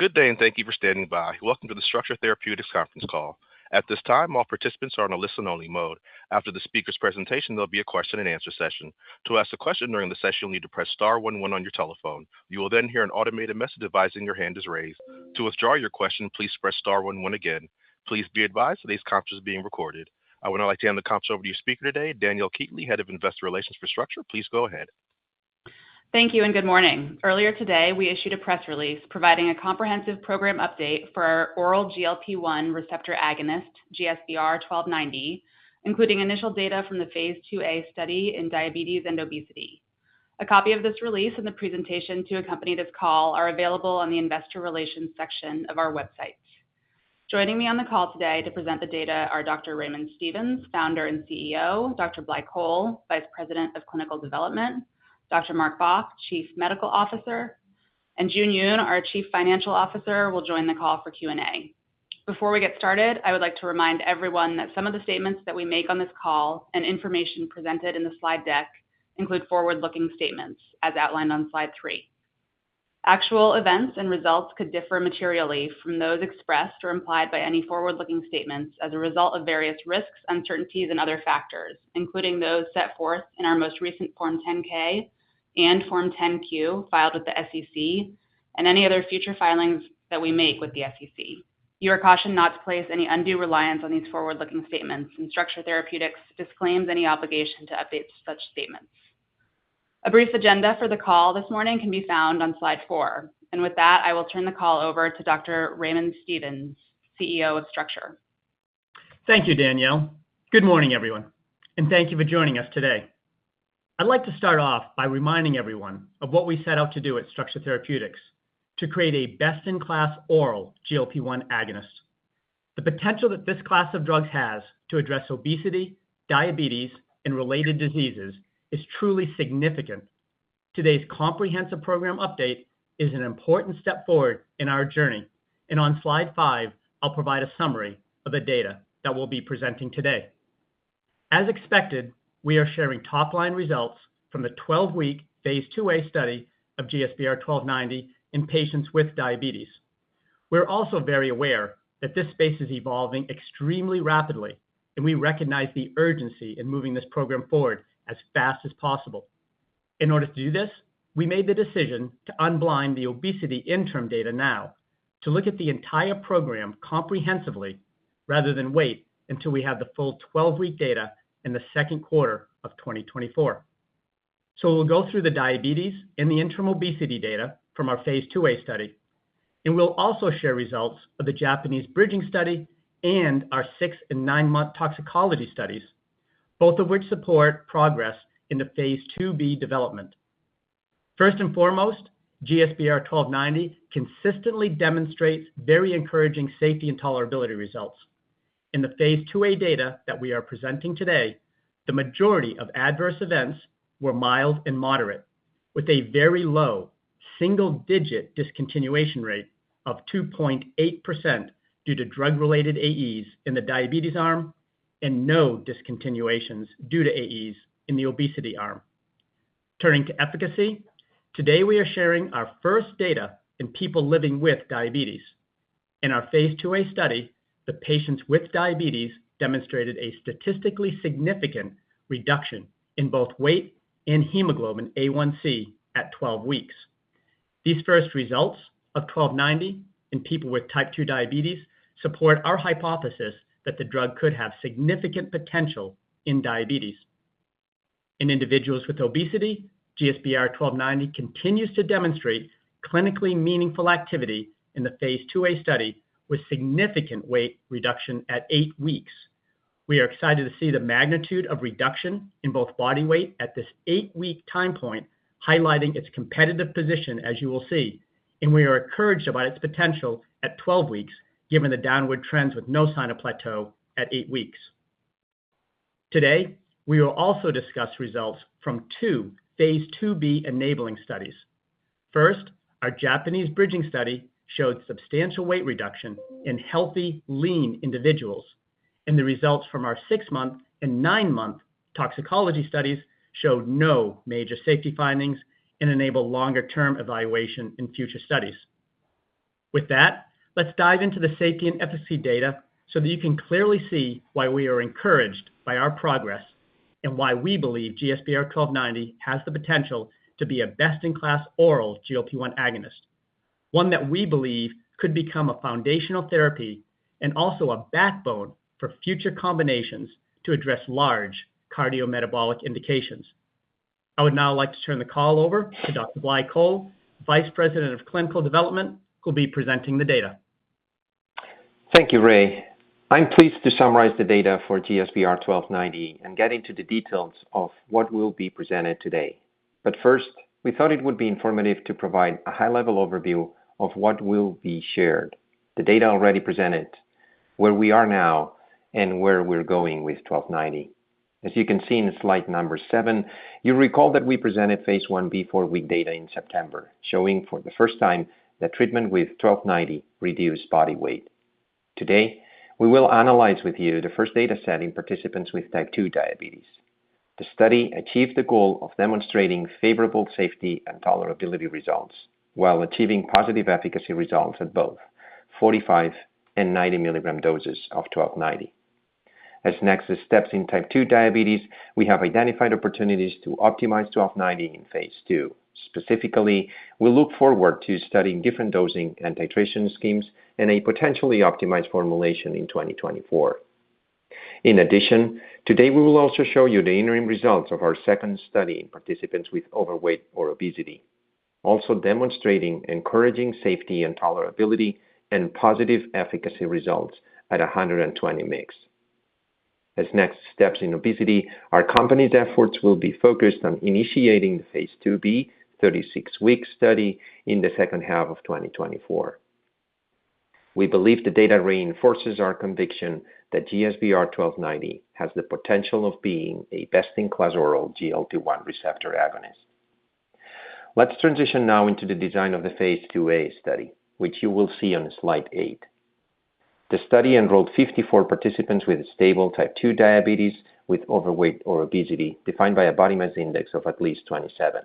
Good day, and thank you for standing by. Welcome to the Structure Therapeutics Conference Call. At this time, all participants are in a listen-only mode. After the speaker's presentation, there'll be a question-and answer session. To ask a question during the session, you'll need to press star one one on your telephone. You will then hear an automated message advising your hand is raised. To withdraw your question, please press star one one again. Please be advised that this conference is being recorded. I would now like to hand the conference over to your speaker today, Danielle Keatley, Head of Investor Relations for Structure. Please go ahead. Thank you and good morning. Earlier today, we issued a press release providing a comprehensive program update for our oral GLP-1 receptor agonist, GSBR-1290, including initial data from the phase IIa study in diabetes and obesity. A copy of this release and the presentation to accompany this call are available on the Investor Relations section of our website. Joining me on the call today to present the data are Dr. Raymond Stevens, Founder and CEO; Dr. Blai Coll, Vice President of Clinical Development; Dr. Mark Bach, Chief Medical Officer; and Jun Yoon, our Chief Financial Officer, will join the call for Q&A. Before we get started, I would like to remind everyone that some of the statements that we make on this call and information presented in the slide deck include forward-looking statements as outlined on slide 3. Actual events and results could differ materially from those expressed or implied by any forward-looking statements as a result of various risks, uncertainties, and other factors, including those set forth in our most recent Form 10-K and Form 10-Q filed with the SEC, and any other future filings that we make with the SEC. You are cautioned not to place any undue reliance on these forward-looking statements, and Structure Therapeutics disclaims any obligation to update such statements. A brief agenda for the call this morning can be found on slide 4. With that, I will turn the call over to Dr. Raymond Stevens, CEO of Structure. Thank you, Danielle. Good morning, everyone, and thank you for joining us today. I'd like to start off by reminding everyone of what we set out to do at Structure Therapeutics: to create a best-in-class oral GLP-1 agonist. The potential that this class of drugs has to address obesity, diabetes, and related diseases is truly significant. Today's comprehensive program update is an important step forward in our journey, and on slide 5, I'll provide a summary of the data that we'll be presenting today. As expected, we are sharing top-line results from the 12-week phase IIa study of GSBR-1290 in patients with diabetes. We're also very aware that this space is evolving extremely rapidly, and we recognize the urgency in moving this program forward as fast as possible. In order to do this, we made the decision to unblind the obesity interim data now to look at the entire program comprehensively, rather than wait until we have the full 12-week data in the second quarter of 2024. So we'll go through the diabetes and the interim obesity data from our phase IIa study, and we'll also share results of the Japanese bridging study and our 6 and 9-month toxicology studies, both of which support progress in the phase IIb development. First and foremost, GSBR-1290 consistently demonstrates very encouraging safety and tolerability results. In the phase IIa data that we are presenting today, the majority of adverse events were mild and moderate, with a very low single-digit discontinuation rate of 2.8% due to drug-related AEs in the diabetes arm and no discontinuations due to AEs in the obesity arm. Turning to efficacy, today we are sharing our first data in people living with diabetes. In our phase IIa study, the patients with diabetes demonstrated a statistically significant reduction in both weight and hemoglobin A1c at 12 weeks. These first results of GSBR-1290 in people with type 2 diabetes support our hypothesis that the drug could have significant potential in diabetes. In individuals with obesity, GSBR-1290 continues to demonstrate clinically meaningful activity in the phase IIa study, with significant weight reduction at 8 weeks. We are excited to see the magnitude of reduction in both body weight at this eight-week time point, highlighting its competitive position, as you will see. We are encouraged about its potential at 12 weeks, given the downward trends with no sign of plateau at 8 weeks. Today, we will also discuss results from two phase IIb enabling studies. First, our Japanese bridging study showed substantial weight reduction in healthy, lean individuals, and the results from our 6-month and 9-month toxicology studies showed no major safety findings and enable longer-term evaluation in future studies. With that, let's dive into the safety and efficacy data so that you can clearly see why we are encouraged by our progress and why we believe GSBR-1290 has the potential to be a best-in-class oral GLP-1 agonist. One that we believe could become a foundational therapy and also a backbone for future combinations to address large cardiometabolic indications. I would now like to turn the call over to Dr. Blai Coll, Vice President of Clinical Development, who'll be presenting the data. Thank you, Ray. I'm pleased to summarize the data for GSBR-1290 and get into the details of what will be presented today. First, we thought it would be informative to provide a high-level overview of what will be shared, the data already presented, where we are now, and where we're going with GSBR-1290. As you can see in slide number 7, you recall that we presented phase 1b 4-week data in September, showing for the first time that treatment with GSBR-1290 reduced body weight. Today, we will analyze with you the first data set in participants with type 2 diabetes. The study achieved the goal of demonstrating favorable safety and tolerability results, while achieving positive efficacy results at both 45- and 90-mg doses of GSBR-1290. As next steps in type 2 diabetes, we have identified opportunities to optimize GSBR-1290 in phase II. Specifically, we look forward to studying different dosing and titration schemes and a potentially optimized formulation in 2024. In addition, today we will also show you the interim results of our second study in participants with overweight or obesity, also demonstrating encouraging safety and tolerability and positive efficacy results at 120 mg. As next steps in obesity, our company's efforts will be focused on initiating the phase IIb 36-week study in the second half of 2024. We believe the data reinforces our conviction that GSBR-1290 has the potential of being a best-in-class oral GLP-1 receptor agonist. Let's transition now into the design of the phase IIa study, which you will see on slide 8. The study enrolled 54 participants with stable type 2 diabetes with overweight or obesity, defined by a body mass index of at least 27.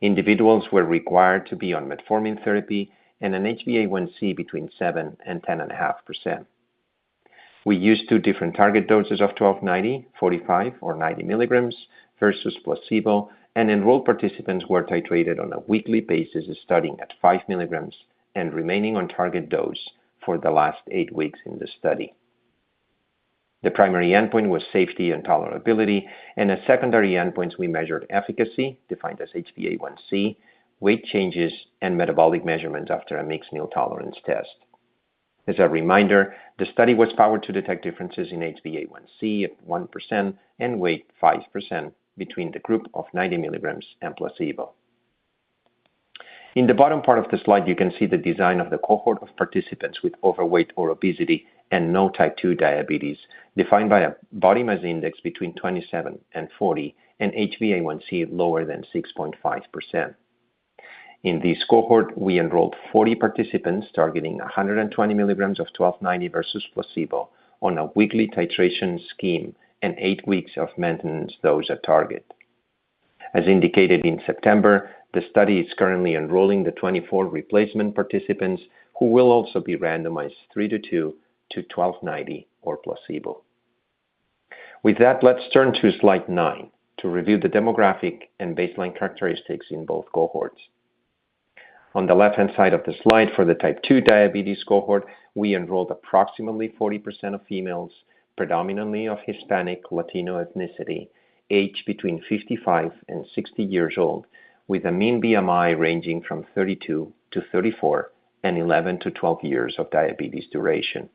Individuals were required to be on metformin therapy and an HbA1c between 7 and 10.5%. We used two different target doses of GSBR-1290, 45 or 90 mg versus placebo, and enrolled participants were titrated on a weekly basis, starting at 5 mg and remaining on target dose for the last 8 weeks in the study. The primary endpoint was safety and tolerability, and as secondary endpoints, we measured efficacy, defined as HbA1c, weight changes, and metabolic measurements after a mixed meal tolerance test. As a reminder, the study was powered to detect differences in HbA1c at 1% and weight 5% between the group of 90 mg and placebo. In the bottom part of the slide, you can see the design of the cohort of participants with overweight or obesity and no type 2 diabetes, defined by a body mass index between 27 and 40 and HbA1c lower than 6.5%. In this cohort, we enrolled 40 participants, targeting 120 mg of GSBR-1290 versus placebo on a weekly titration scheme and 8 weeks of maintenance dose at target. As indicated in September, the study is currently enrolling the 24 replacement participants, who will also be randomized 3:2 to GSBR-1290 or placebo. With that, let's turn to slide 9 to review the demographic and baseline characteristics in both cohorts. On the left-hand side of the slide, for the type two diabetes cohort, we enrolled approximately 40% of females, predominantly of Hispanic, Latino ethnicity, aged between 55 and 60 years old, with a mean BMI ranging from 32-34 and 11-12 years of diabetes duration.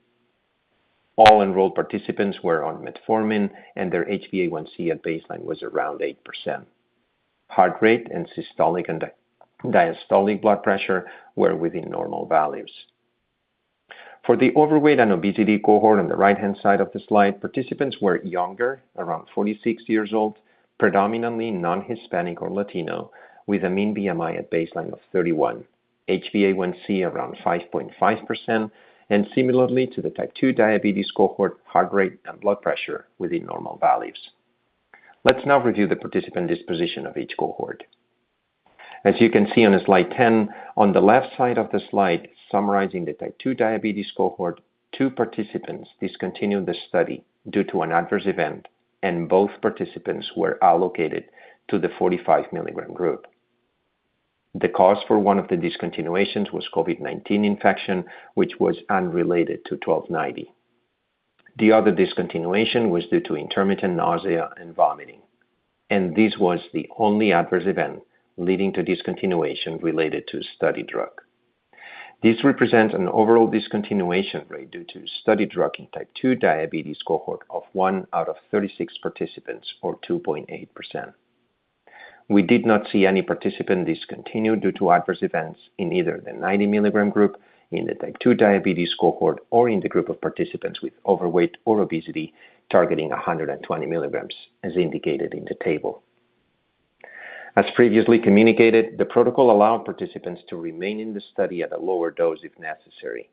All enrolled participants were on metformin, and their HbA1c at baseline was around 8%. Heart rate and systolic and diastolic blood pressure were within normal values. For the overweight and obesity cohort on the right-hand side of the slide, participants were younger, around 46 years old, predominantly non-Hispanic or Latino, with a mean BMI at baseline of 31, HbA1c around 5.5%, and similarly to the type 2 diabetes cohort, heart rate and blood pressure within normal values. Let's now review the participant disposition of each cohort. As you can see on slide 10, on the left side of the slide, summarizing the type 2 diabetes cohort, 2 participants discontinued the study due to an adverse event, and both participants were allocated to the 45 mg group. The cause for one of the discontinuations was COVID-19 infection, which was unrelated to GSBR-1290. The other discontinuation was due to intermittent nausea and vomiting, and this was the only adverse event leading to discontinuation related to study drug. This represents an overall discontinuation rate due to study drug in type 2 diabetes cohort of 1 out of 36 participants, or 2.8%. We did not see any participant discontinued due to adverse events in either the 90 milligram group, in the type 2 diabetes cohort, or in the group of participants with overweight or obesity, targeting 120 mg, as indicated in the table. As previously communicated, the protocol allowed participants to remain in the study at a lower dose if necessary.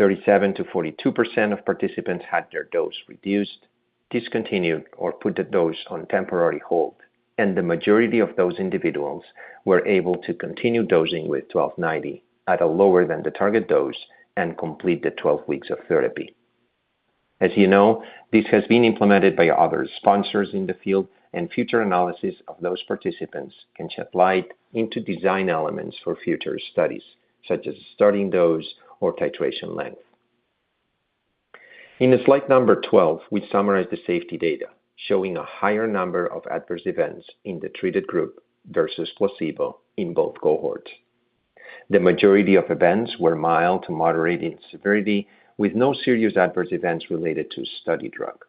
37%-42% of participants had their dose reduced, discontinued, or put the dose on temporary hold, and the majority of those individuals were able to continue dosing with GSBR-1290 at a lower than the target dose and complete the 12 weeks of therapy. As you know, this has been implemented by other sponsors in the field, and future analysis of those participants can shed light into design elements for future studies, such as starting dose or titration length. In slide number 12, we summarize the safety data, showing a higher number of adverse events in the treated group versus placebo in both cohorts. The majority of events were mild to moderate in severity, with no serious adverse events related to study drug.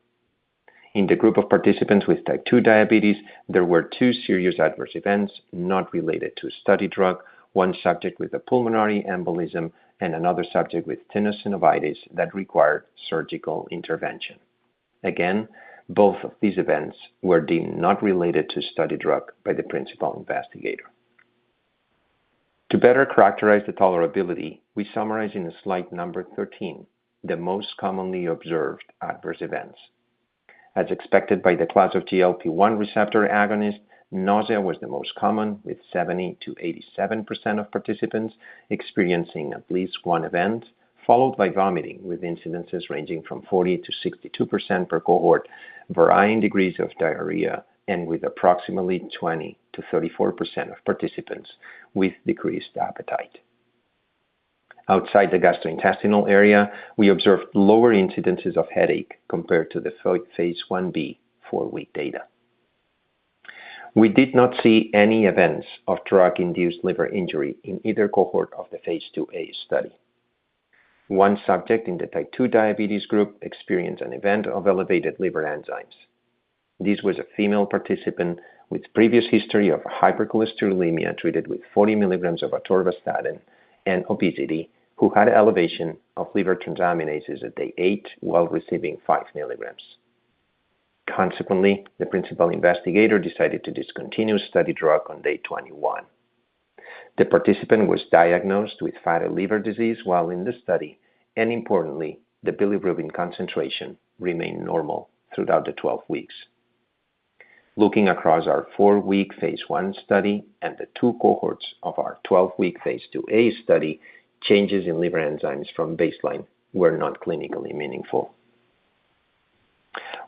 In the group of participants with type 2 diabetes, there were two serious adverse events not related to study drug, one subject with a pulmonary embolism and another subject with tenosynovitis that required surgical intervention. Again, both of these events were deemed not related to study drug by the principal investigator.... To better characterize the tolerability, we summarize in slide number 13, the most commonly observed adverse events. As expected by the class of GLP-1 receptor agonist, nausea was the most common, with 70%-87% of participants experiencing at least one event, followed by vomiting, with incidences ranging from 40%-62% per cohort, varying degrees of diarrhea, and with approximately 20%-34% of participants with decreased appetite. Outside the gastrointestinal area, we observed lower incidences of headache compared to the phase Ib four-week data. We did not see any events of drug-induced liver injury in either cohort of the phase IIa study. One subject in the type 2 diabetes group experienced an event of elevated liver enzymes. This was a female participant with previous history of hypercholesterolemia, treated with 40 mg of atorvastatin and obesity, who had an elevation of liver transaminases at day 8 while receiving 5 mg. Consequently, the principal investigator decided to discontinue study drug on day 21. The participant was diagnosed with fatty liver disease while in the study, and importantly, the bilirubin concentration remained normal throughout the 12 weeks. Looking across our 4-week phase I study and the 2 cohorts of our 12-week phase IIa study, changes in liver enzymes from baseline were not clinically meaningful.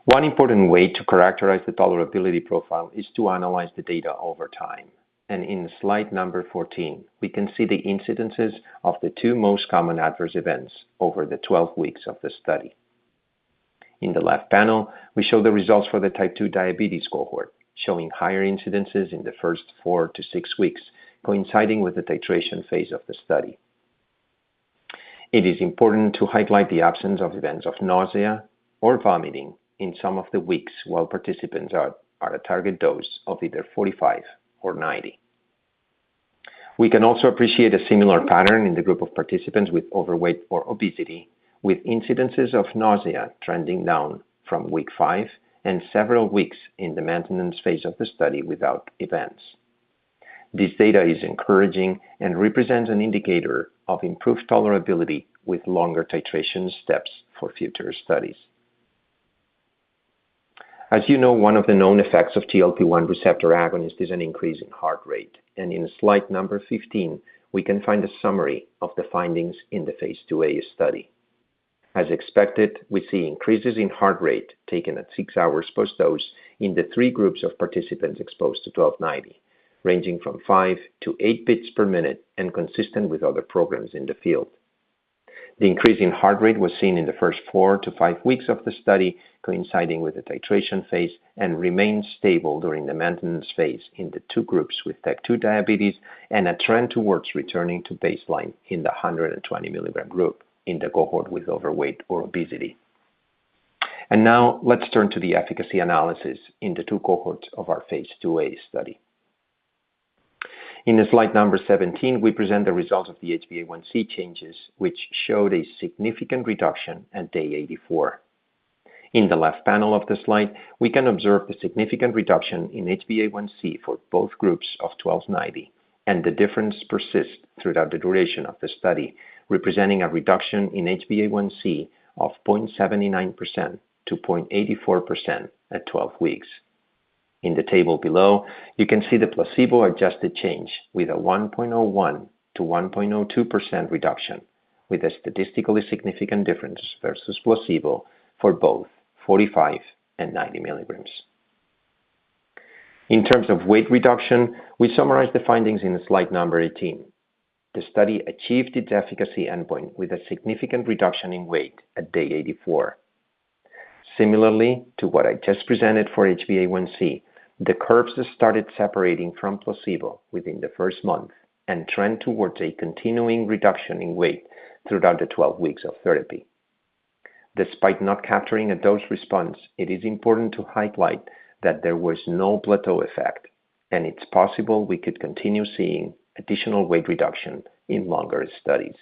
One important way to characterize the tolerability profile is to analyze the data over time, and in slide number 14, we can see the incidences of the 2 most common adverse events over the 12 weeks of the study. In the left panel, we show the results for the type 2 diabetes cohort, showing higher incidences in the first 4-6 weeks, coinciding with the titration phase of the study. It is important to highlight the absence of events of nausea or vomiting in some of the weeks while participants are at target dose of either 45 or 90. We can also appreciate a similar pattern in the group of participants with overweight or obesity, with incidences of nausea trending down from week 5 and several weeks in the maintenance phase of the study without events. This data is encouraging and represents an indicator of improved tolerability with longer titration steps for future studies. As you know, one of the known effects of GLP-1 receptor agonist is an increase in heart rate, and in slide number 15, we can find a summary of the findings in the phase IIa study. As expected, we see increases in heart rate taken at 6 hours post-dose in the three groups of participants exposed to GSBR-1290, ranging from 5-8 beats per minute and consistent with other programs in the field. The increase in heart rate was seen in the first 4-5 weeks of the study, coinciding with the titration phase, and remained stable during the maintenance phase in the two groups with type 2 diabetes and a trend towards returning to baseline in the 120 milligram group in the cohort with overweight or obesity. And now let's turn to the efficacy analysis in the two cohorts of our phase IIa study. In slide 17, we present the results of the HbA1c changes, which showed a significant reduction at day 84. In the left panel of the slide, we can observe the significant reduction in HbA1c for both groups of GSBR-1290, and the difference persists throughout the duration of the study, representing a reduction in HbA1c of 0.79%-0.84% at 12 weeks. In the table below, you can see the placebo-adjusted change with a 1.01%-1.02% reduction, with a statistically significant difference versus placebo for both 45 mg and 90 mg. In terms of weight reduction, we summarize the findings in slide 18. The study achieved its efficacy endpoint with a significant reduction in weight at day 84. Similarly to what I just presented for HbA1c, the curves started separating from placebo within the first month and trend towards a continuing reduction in weight throughout the 12 weeks of therapy. Despite not capturing a dose response, it is important to highlight that there was no plateau effect, and it's possible we could continue seeing additional weight reduction in longer studies.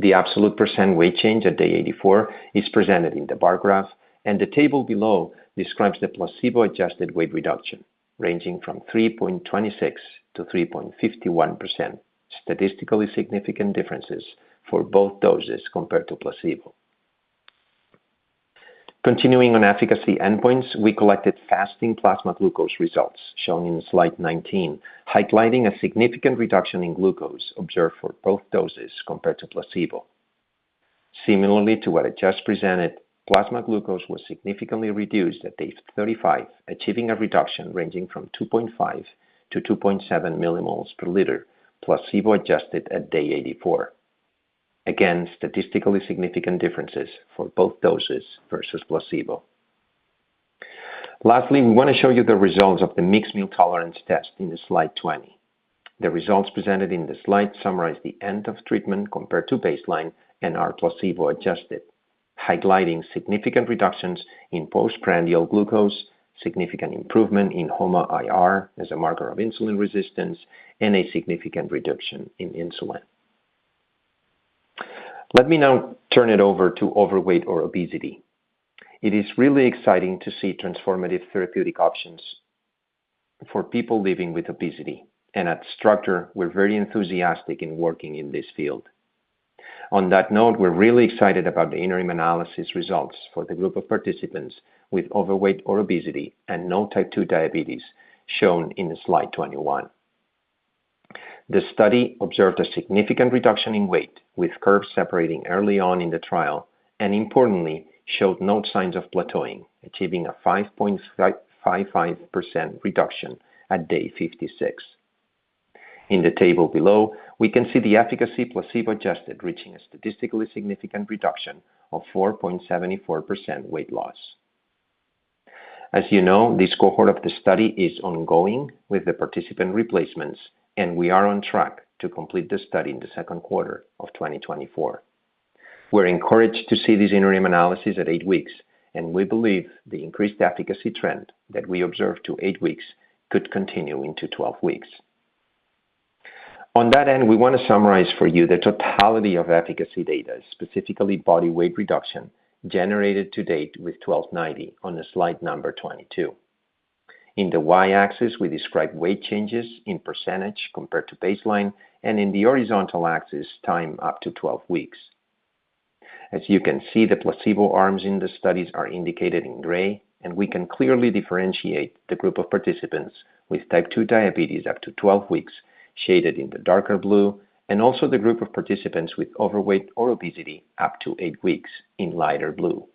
The absolute percent weight change at day 84 is presented in the bar graph, and the table below describes the placebo-adjusted weight reduction, ranging from 3.26%-3.51%, statistically significant differences for both doses compared to placebo. Continuing on efficacy endpoints, we collected fasting plasma glucose results shown in slide 19, highlighting a significant reduction in glucose observed for both doses compared to placebo. Similarly to what I just presented, plasma glucose was significantly reduced at day 35, achieving a reduction ranging from 2.5-2.7 millimoles per liter, placebo-adjusted at day 84. Again, statistically significant differences for both doses versus placebo. Lastly, we want to show you the results of the mixed-meal tolerance test in slide 20. The results presented in the slide summarize the end of treatment compared to baseline and are placebo-adjusted, highlighting significant reductions in postprandial glucose, significant improvement in HOMA-IR as a marker of insulin resistance, and a significant reduction in insulin. Let me now turn it over to overweight or obesity. It is really exciting to see transformative therapeutic options for people living with obesity, and at Structure, we're very enthusiastic in working in this field. On that note, we're really excited about the interim analysis results for the group of participants with overweight or obesity and no type two diabetes, shown in slide 21. The study observed a significant reduction in weight, with curves separating early on in the trial, and importantly, showed no signs of plateauing, achieving a 5.55% reduction at day 56. In the table below, we can see the efficacy placebo-adjusted, reaching a statistically significant reduction of 4.74% weight loss. As you know, this cohort of the study is ongoing with the participant replacements, and we are on track to complete the study in the second quarter of 2024. We're encouraged to see these interim analysis at eight weeks, and we believe the increased efficacy trend that we observe to eight weeks could continue into 12 weeks. On that end, we want to summarize for you the totality of efficacy data, specifically body weight reduction, generated to date with GSBR-1290 on slide number 22. In the Y-axis, we describe weight changes in percentage compared to baseline, and in the horizontal axis, time up to 12 weeks. As you can see, the placebo arms in the studies are indicated in gray, and we can clearly differentiate the group of participants with type 2 diabetes up to 12 weeks, shaded in the darker blue, and also the group of participants with overweight or obesity up to 8 weeks in lighter blue.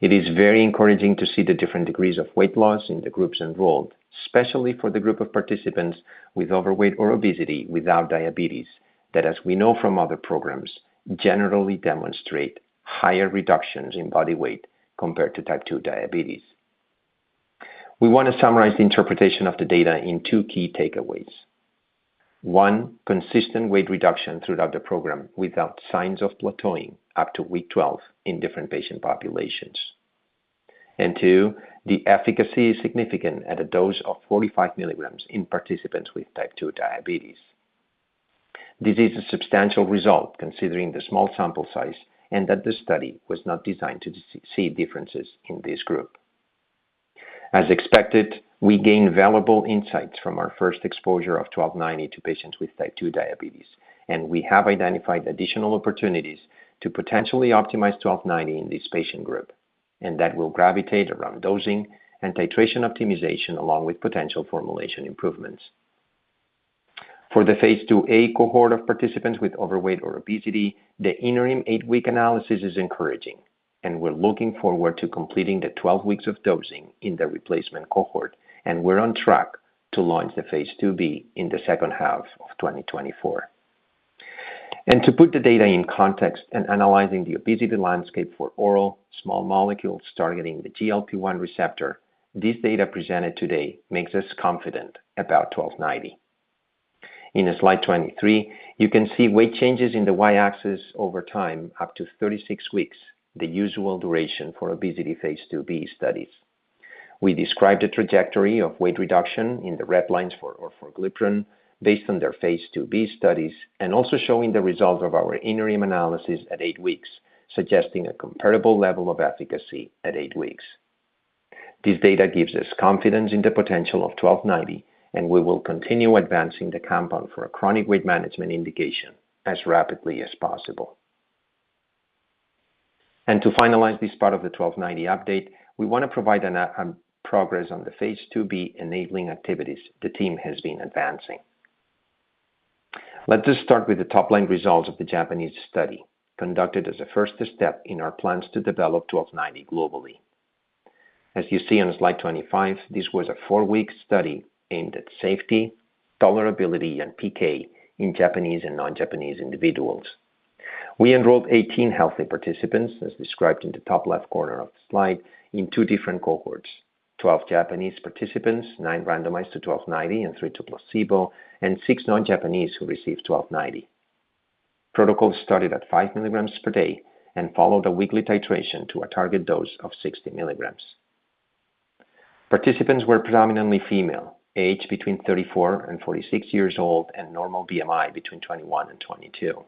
It is very encouraging to see the different degrees of weight loss in the groups enrolled, especially for the group of participants with overweight or obesity without diabetes, that, as we know from other programs, generally demonstrate higher reductions in body weight compared to type 2 diabetes. We want to summarize the interpretation of the data in 2 key takeaways. 1, consistent weight reduction throughout the program without signs of plateauing up to week 12 in different patient populations. And 2, the efficacy is significant at a dose of 45 mg in participants with type 2 diabetes. This is a substantial result considering the small sample size and that the study was not designed to see differences in this group. As expected, we gained valuable insights from our first exposure of GSBR-1290 to patients with type 2 diabetes, and we have identified additional opportunities to potentially optimize GSBR-1290 in this patient group, and that will gravitate around dosing and titration optimization, along with potential formulation improvements. For the phase IIa cohort of participants with overweight or obesity, the interim 8-week analysis is encouraging, and we're looking forward to completing the 12 weeks of dosing in the replacement cohort, and we're on track to launch the phase IIb in the second half of 2024. To put the data in context and analyzing the obesity landscape for oral small molecules targeting the GLP-1 receptor, this data presented today makes us confident about GSBR-1290. In slide 23, you can see weight changes in the Y-axis over time up to 36 weeks, the usual duration for obesity phase IIb studies. We described a trajectory of weight reduction in the red lines for orforglipron based on their phase IIb studies, and also showing the results of our interim analysis at 8 weeks, suggesting a comparable level of efficacy at 8 weeks. This data gives us confidence in the potential of GSBR-1290, and we will continue advancing the compound for a chronic weight management indication as rapidly as possible. To finalize this part of the GSBR-1290 update, we want to provide an progress on the phase IIb enabling activities the team has been advancing. Let us start with the top-line results of the Japanese study, conducted as a first step in our plans to develop GSBR-GSBR-1290 globally. As you see on slide 25, this was a four-week study aimed at safety, tolerability, and PK in Japanese and non-Japanese individuals. We enrolled 18 healthy participants, as described in the top left corner of the slide, in two different cohorts: 12 Japanese participants, 9 randomized to GSBR-1290 and 3 to placebo, and 6 non-Japanese who received GSBR-1290. Protocol started at 5 mg per day and followed a weekly titration to a target dose of 60 mg. Participants were predominantly female, aged between 34 and 46 years old, and normal BMI between 21 and 22.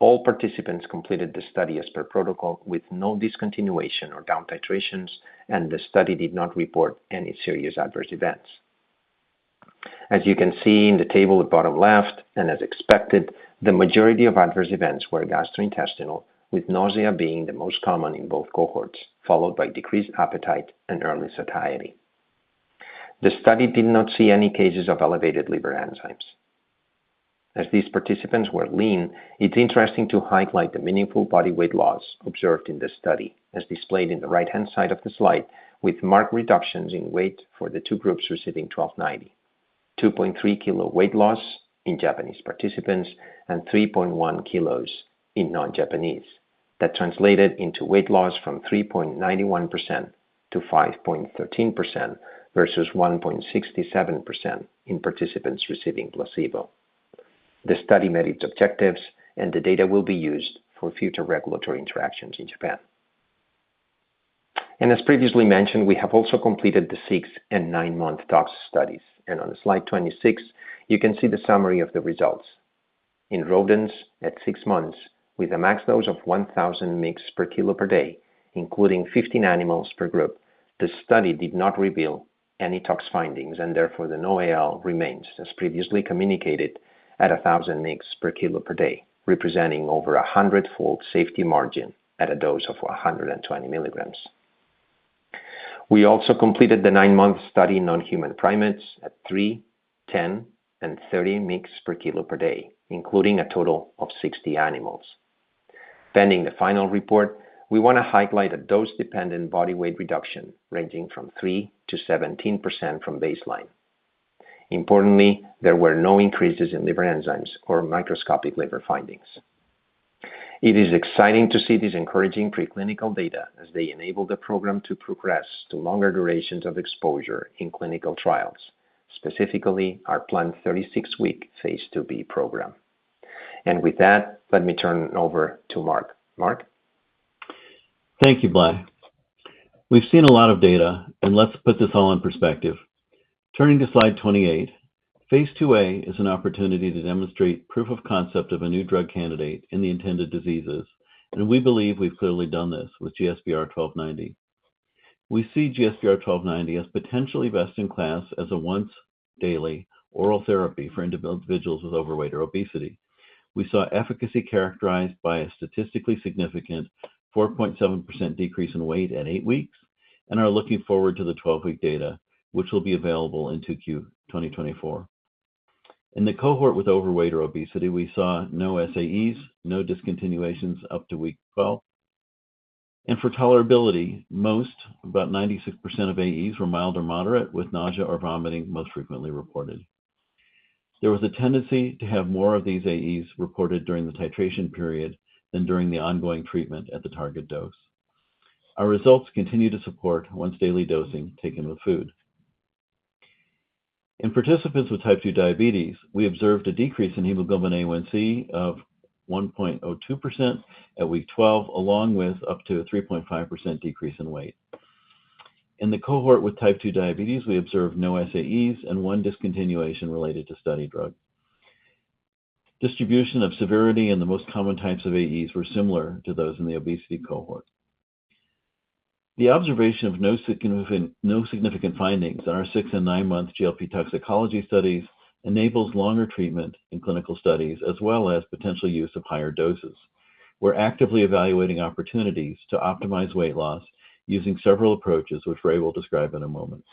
All participants completed the study as per protocol with no discontinuation or down titrations, and the study did not report any serious adverse events. As you can see in the table at bottom left, and as expected, the majority of adverse events were gastrointestinal, with nausea being the most common in both cohorts, followed by decreased appetite and early satiety. The study did not see any cases of elevated liver enzymes. As these participants were lean, it's interesting to highlight the meaningful body weight loss observed in this study, as displayed in the right-hand side of the slide, with marked reductions in weight for the two groups receiving GSBR-1290. 2.3 kg weight loss in Japanese participants and 3.1 kg in non-Japanese. That translated into weight loss from 3.91%-5.13% versus 1.67% in participants receiving placebo. The study met its objectives, and the data will be used for future regulatory interactions in Japan, and as previously mentioned, we have also completed the 6- and 9-month tox studies. On slide 26, you can see the summary of the results. In rodents, at 6 months, with a max dose of 1,000 mg/kg/day, including 15 animals per group, the study did not reveal any tox findings, and therefore, the NOAEL remains, as previously communicated, at 1,000 mg/kg/day, representing over 100-fold safety margin at a dose of 120 mg. We also completed the 9-month study in non-human primates at 3, 10, and 30 mg per kg per day, including a total of 60 animals. Pending the final report, we want to highlight a dose-dependent body weight reduction, ranging from 3%-17% from baseline. Importantly, there were no increases in liver enzymes or microscopic liver findings. It is exciting to see these encouraging preclinical data as they enable the program to progress to longer durations of exposure in clinical trials, specifically our planned 36-week phase IIb program. With that, let me turn it over to Mark. Mark? Thank you, Blai. We've seen a lot of data, and let's put this all in perspective. Turning to slide 28, phase IIa is an opportunity to demonstrate proof of concept of a new drug candidate in the intended diseases, and we believe we've clearly done this with GSBR-1290. We see GSBR-1290 as potentially best-in-class as a once-daily oral therapy for individuals with overweight or obesity. We saw efficacy characterized by a statistically significant 4.7% decrease in weight at 8 weeks and are looking forward to the 12-week data, which will be available in 2Q-2024. In the cohort with overweight or obesity, we saw no SAEs, no discontinuations up to week 12. For tolerability, most, about 96% of AEs, were mild or moderate, with nausea or vomiting most frequently reported. There was a tendency to have more of these AEs reported during the titration period than during the ongoing treatment at the target dose. Our results continue to support once-daily dosing, taken with food. In participants with type two diabetes, we observed a decrease in hemoglobin A1c of 1.02% at week 12, along with up to a 3.5% decrease in weight. In the cohort with type two diabetes, we observed no SAEs and one discontinuation related to study drug. Distribution of severity and the most common types of AEs were similar to those in the obesity cohort. The observation of no significant, no significant findings in our 6- and 9-month GLP toxicology studies enables longer treatment in clinical studies, as well as potential use of higher doses. We're actively evaluating opportunities to optimize weight loss using several approaches, which Ray will describe in a moment.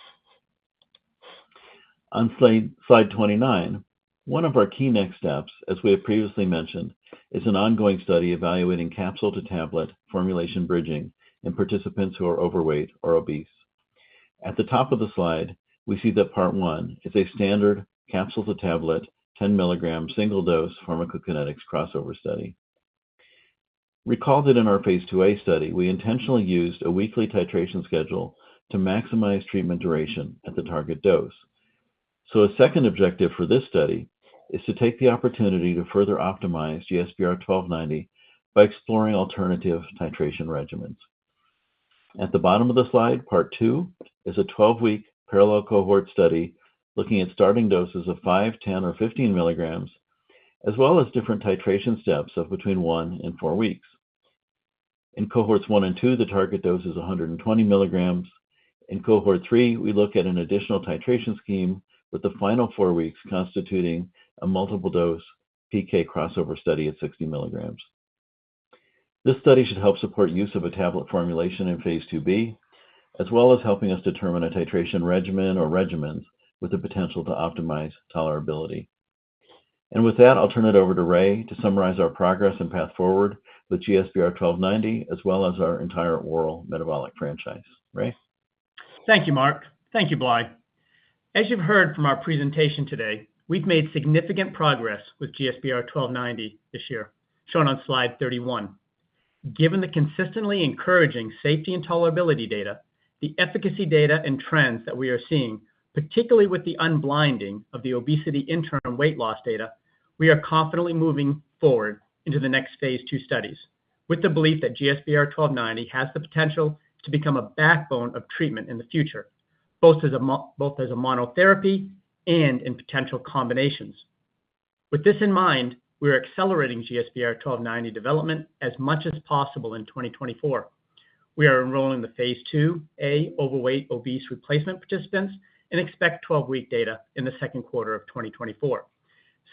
On slide 29, one of our key next steps, as we have previously mentioned, is an ongoing study evaluating capsule-to-tablet formulation bridging in participants who are overweight or obese. At the top of the slide, we see that Part One is a standard capsule-to-tablet, 10-milligram, single-dose pharmacokinetics crossover study. Recall that in our phase IIa study, we intentionally used a weekly titration schedule to maximize treatment duration at the target dose. So a second objective for this study is to take the opportunity to further optimize GSBR-1290 by exploring alternative titration regimens. At the bottom of the slide, Part Two is a 12-week parallel cohort study looking at starting doses of 5, 10, or 15 mg, as well as different titration steps of between 1 and 4 weeks. In cohorts 1 and 2, the target dose is 120 mg. In cohort 3, we look at an additional titration scheme, with the final 4 weeks constituting a multiple-dose PK crossover study at 60 mg. This study should help support use of a tablet formulation in phase IIb, as well as helping us determine a titration regimen or regimens with the potential to optimize tolerability. With that, I'll turn it over to Ray to summarize our progress and path forward with GSBR-1290, as well as our entire oral metabolic franchise. Ray? Thank you, Mark. Thank you, Blai. As you've heard from our presentation today, we've made significant progress with GSBR-1290 this year, shown on slide 31. Given the consistently encouraging safety and tolerability data, the efficacy data and trends that we are seeing, particularly with the unblinding of the obesity interim weight loss data, we are confidently moving forward into the next phase II studies, with the belief that GSBR-1290 has the potential to become a backbone of treatment in the future, both as a mo-- both as a monotherapy and in potential combinations. With this in mind, we are accelerating GSBR-1290 development as much as possible in 2024. We are enrolling the phase IIa overweight, obese replacement participants and expect 12-week data in the second quarter of 2024.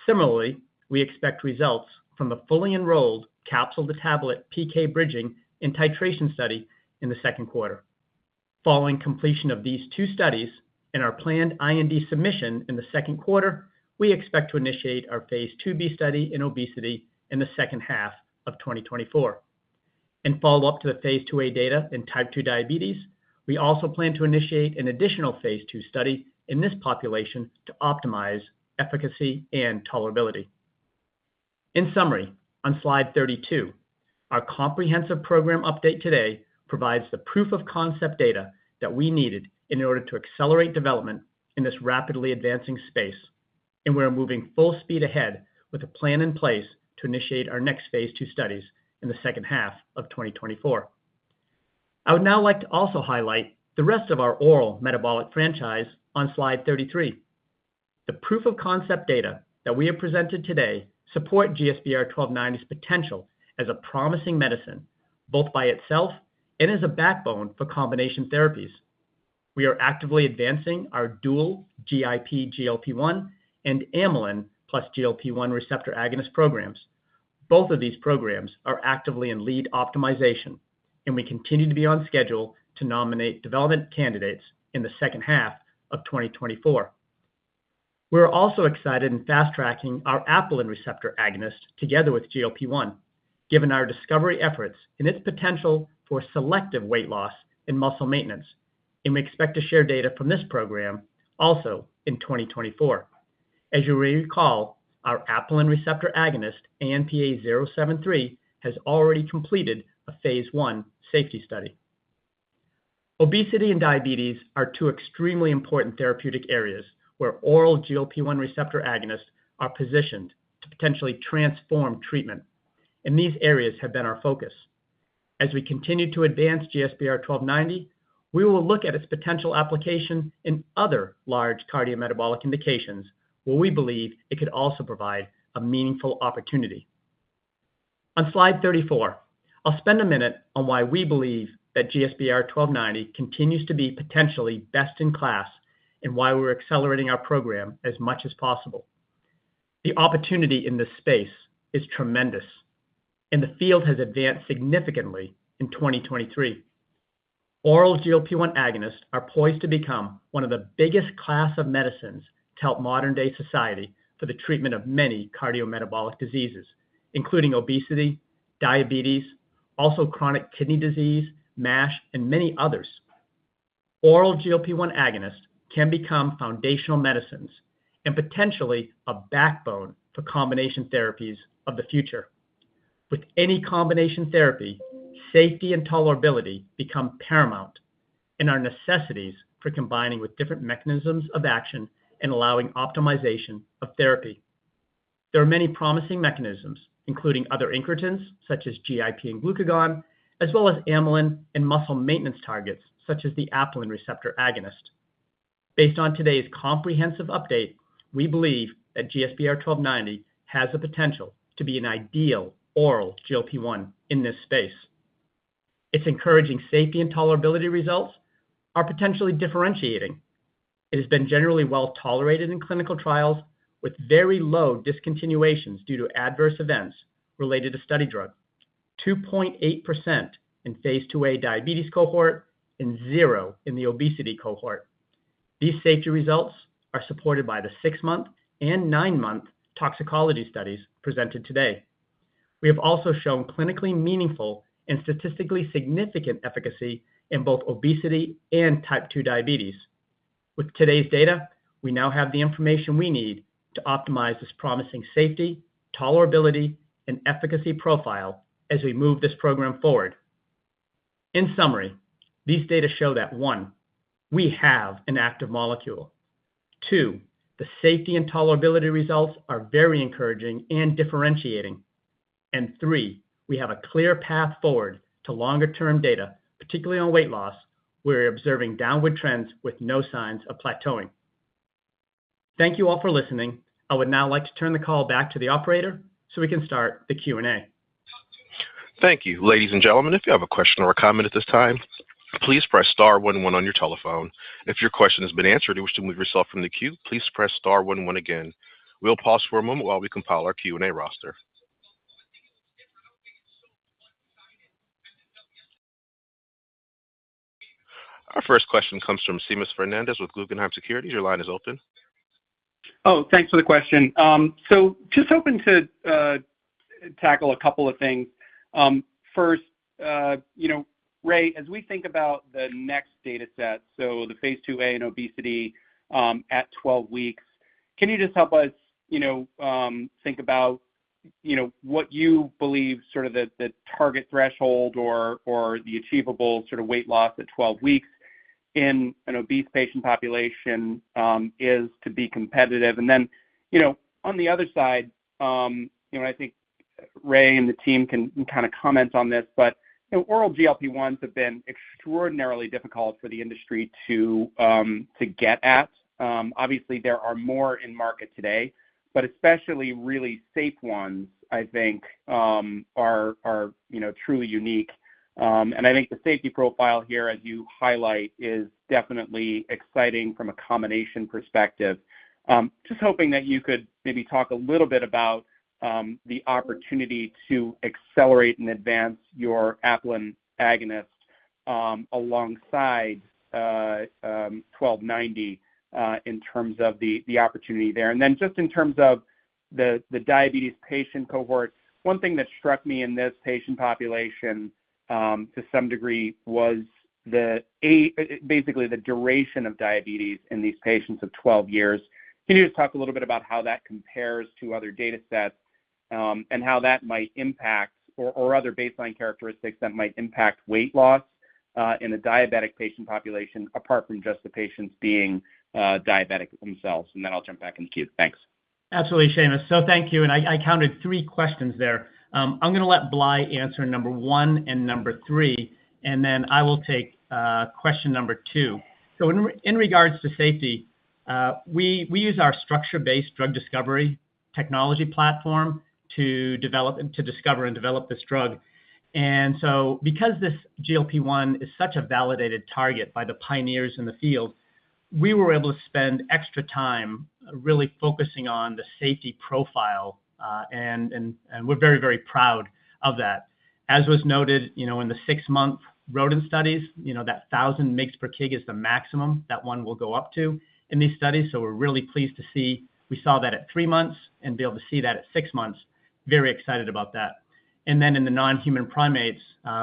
Similarly, we expect results from the fully enrolled capsule-to-tablet PK bridging and titration study in the second quarter. Following completion of these two studies and our planned IND submission in the second quarter, we expect to initiate our phase IIb study in obesity in the second half of 2024. In follow-up to the phase IIa data in type 2 diabetes, we also plan to initiate an additional phase II study in this population to optimize efficacy and tolerability. In summary, on slide 32, our comprehensive program update today provides the proof of concept data that we needed in order to accelerate development in this rapidly advancing space.... and we are moving full speed ahead with a plan in place to initiate our next phase II studies in the second half of 2024. I would now like to also highlight the rest of our oral metabolic franchise on slide 33. The proof of concept data that we have presented today support GSBR-1290's potential as a promising medicine, both by itself and as a backbone for combination therapies. We are actively advancing our dual GIP/GLP-1 and amylin plus GLP-1 receptor agonist programs. Both of these programs are actively in lead optimization, and we continue to be on schedule to nominate development candidates in the second half of 2024. We are also excited in fast-tracking our apelin receptor agonist together with GLP-1, given our discovery efforts and its potential for selective weight loss and muscle maintenance, and we expect to share data from this program also in 2024. As you recall, our apelin receptor agonist, ANPA-0073, has already completed a phase 1 safety study. Obesity and diabetes are two extremely important therapeutic areas where oral GLP-1 receptor agonists are positioned to potentially transform treatment, and these areas have been our focus. As we continue to advance GSBR-1290, we will look at its potential application in other large cardiometabolic indications, where we believe it could also provide a meaningful opportunity. On slide 34, I'll spend a minute on why we believe that GSBR-1290 continues to be potentially best-in-class and why we're accelerating our program as much as possible. The opportunity in this space is tremendous, and the field has advanced significantly in 2023. Oral GLP-1 agonists are poised to become one of the biggest class of medicines to help modern-day society for the treatment of many cardiometabolic diseases, including obesity, diabetes, also chronic kidney disease, MASH, and many others. Oral GLP-1 agonists can become foundational medicines and potentially a backbone for combination therapies of the future. With any combination therapy, safety and tolerability become paramount and are necessities for combining with different mechanisms of action and allowing optimization of therapy. There are many promising mechanisms, including other incretins, such as GIP and glucagon, as well as amylin and muscle maintenance targets, such as the apelin receptor agonist. Based on today's comprehensive update, we believe that GSBR-1290 has the potential to be an ideal oral GLP-1 in this space. Its encouraging safety and tolerability results are potentially differentiating. It has been generally well-tolerated in clinical trials, with very low discontinuations due to adverse events related to study drug: 2.8% in phase IIa diabetes cohort and 0% in the obesity cohort. These safety results are supported by the 6-month and 9-month toxicology studies presented today. We have also shown clinically meaningful and statistically significant efficacy in both obesity and type 2 diabetes. With today's data, we now have the information we need to optimize this promising safety, tolerability, and efficacy profile as we move this program forward. In summary, these data show that, 1, we have an active molecule. 2, the safety and tolerability results are very encouraging and differentiating. And 3, we have a clear path forward to longer-term data, particularly on weight loss, where we're observing downward trends with no signs of plateauing. Thank you all for listening. I would now like to turn the call back to the operator, so we can start the Q&A. Thank you. Ladies and gentlemen, if you have a question or a comment at this time, please press star one one on your telephone. If your question has been answered and you wish to remove yourself from the queue, please press star one one again. We'll pause for a moment while we compile our Q&A roster. Our first question comes from Seamus Fernandez with Guggenheim Securities. Your line is open. Oh, thanks for the question. So just hoping to tackle a couple of things. First, you know, Ray, as we think about the next data set, so the phase IIa in obesity, at 12 weeks, can you just help us, you know, think about, you know, what you believe sort of the, the target threshold or, or the achievable sort of weight loss at 12 weeks in an obese patient population, is to be competitive? And then, you know, on the other side, you know, and I think Ray and the team can, kind of, comment on this, but, you know, oral GLP-1s have been extraordinarily difficult for the industry to, to get at. Obviously, there are more in market today, but especially really safe ones, I think, are, are, you know, truly unique. And I think the safety profile here, as you highlight, is definitely exciting from a combination perspective. Just hoping that you could maybe talk a little bit about the opportunity to accelerate and advance your apelin agonist alongside GSBR-1290 in terms of the opportunity there. And then just in terms of the diabetes patient cohort, one thing that struck me in this patient population to some degree was. Basically, the duration of diabetes in these patients of 12 years. Can you just talk a little bit about how that compares to other data sets? And how that might impact or other baseline characteristics that might impact weight loss in a diabetic patient population, apart from just the patients being diabetic themselves. And then I'll jump back into queue. Thanks. Absolutely, Seamus. So thank you, and I, I counted three questions there. I'm going to let Blai answer number one and number three, and then I will take, uh, question number two. So in regards to safety, we use our structure-based drug discovery technology platform to discover and develop this drug. And so because this GLP-1 is such a validated target by the pioneers in the field, we were able to spend extra time really focusing on the safety profile, and we're very, very proud of that. As was noted, you know, in the six-month rodent studies, you know, that 1,000 mg per kg is the maximum, that one will go up to in these studies. So we're really pleased to see. We saw that at three months and be able to see that at six months, very excited about that. And then in the non-human primates,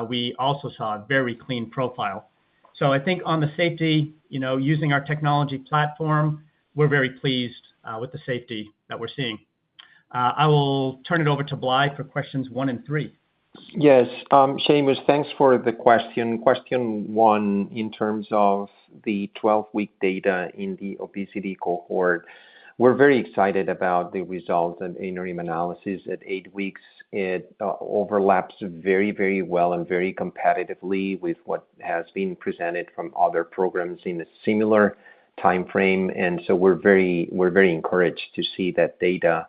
we also saw a very clean profile. So I think on the safety, you know, using our technology platform, we're very pleased, with the safety that we're seeing. I will turn it over to Blai for questions one and three. Yes, Seamus, thanks for the question. Question one, in terms of the 12-week data in the obesity cohort, we're very excited about the results and interim analysis at 8 weeks. It overlaps very, very well and very competitively with what has been presented from other programs in a similar timeframe, and so we're very, we're very encouraged to see that data.